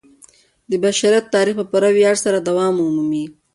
د بشریت تاریخ به په پوره ویاړ سره دوام ومومي.